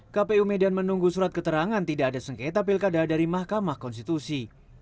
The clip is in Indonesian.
kpu medan menunggu surat keterangan tidak ada sengketa pilkada dari mahkamah konstitusi